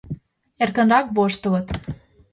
Эркынрак воштылыт.